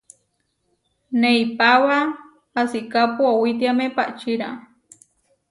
Neipába asikápu oʼowitiáme paʼčirá.